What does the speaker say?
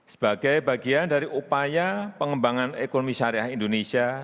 sebagai bagian dari upaya pengembangan ekonomi syariah indonesia